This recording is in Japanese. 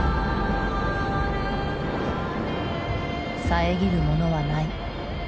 遮るものはない。